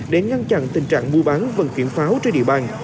để ngăn chặn tình trạng mua bán vận chuyển pháo trên địa bàn